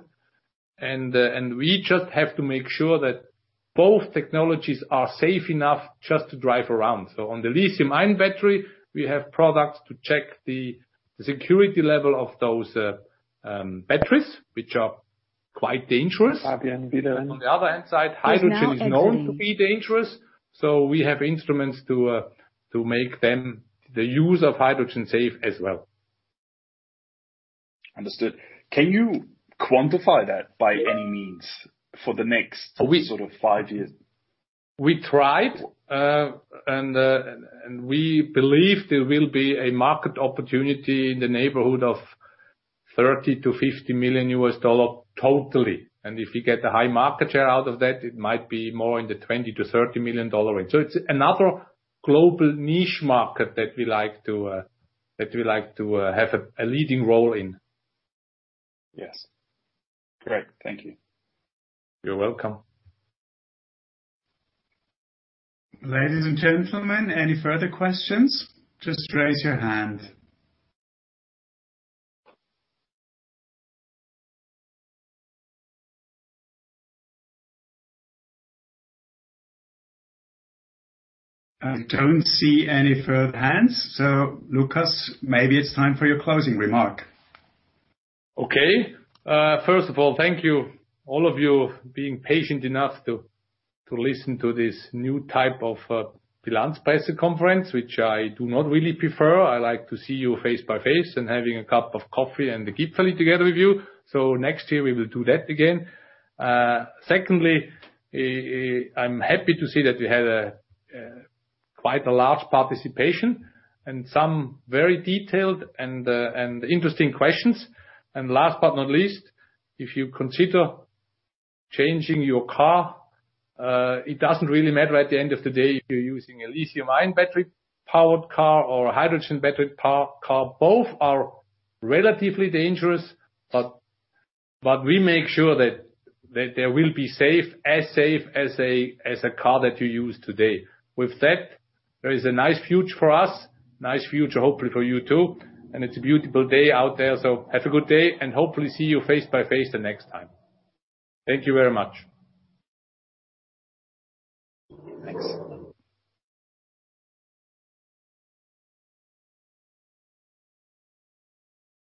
and we just have to make sure that both technologies are safe enough just to drive around. On the lithium-ion battery, we have products to check the security level of those batteries, which are quite dangerous. [Fabian], you're. On the other hand side, hydrogen is known to be dangerous, so we have instruments to make the use of hydrogen safe as well. Understood. Can you quantify that by any means for the next- Oh, yes. sort of five years? We tried, we believe there will be a market opportunity in the neighborhood of CHF 30 million-CHF 50 million totally. If you get a high market share out of that, it might be more in the CHF 20 million-CHF 30 million range. It is another global niche market that we like to have a leading role in. Yes. Great. Thank you. You're welcome. Ladies and gentlemen, any further questions? Just raise your hand. I don't see any further hands. Lukas, maybe it's time for your closing remark. Okay. First of all, thank you, all of you, being patient enough to listen to this new type of Bilanzpressekonferenz, which I do not really prefer. I like to see you face by face and having a cup of coffee and the Gipfeli together with you. Next year we will do that again. Secondly, I'm happy to see that we had quite a large participation and some very detailed and interesting questions. Last but not least, if you consider changing your car, it doesn't really matter at the end of the day if you're using a lithium-ion battery powered car or a hydrogen battery powered car. Both are relatively dangerous, but we make sure that they will be as safe as a car that you use today. With that, there is a nice future for us, nice future, hopefully, for you, too. It's a beautiful day out there, so have a good day, and hopefully see you face by face the next time. Thank you very much. Thanks.